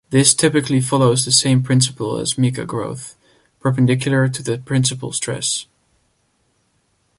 This typically follows the same principle as mica growth, perpendicular to the principal stress.